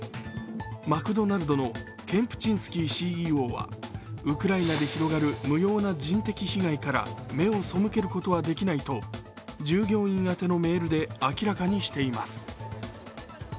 マクドナルドのケンプチンスキーＣＥＯはウクライナに広がる無用な人的被害から目を背けることはできないと従業員宛のメールで明らかにしています。